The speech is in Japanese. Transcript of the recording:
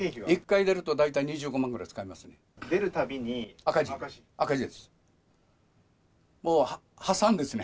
１回出ると大体２５万ぐらい使います。